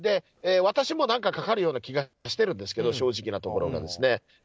私もかかるような気がしてるんですけど、正直なところ。